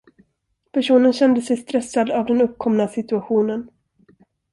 Personen kände sig stressad av den uppkomna situationen.